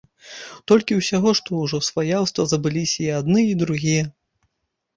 Толькі ўсяго што ўжо сваяўства забыліся й адны і другія.